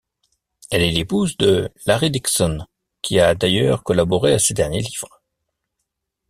Elle est l'épouse de Larry Dixon, qui a d'ailleurs collaboré à ses derniers livres.